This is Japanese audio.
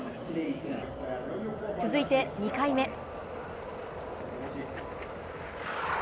続いて２回目。